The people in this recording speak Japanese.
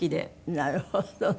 なるほどね。